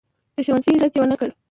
د ښوونځي عزت یې ونه کړ.